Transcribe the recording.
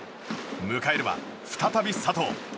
迎えるは再び佐藤。